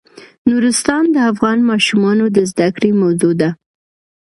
نورستان د افغان ماشومانو د زده کړې موضوع ده.